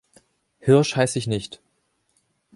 Hirsch heiß ich nicht.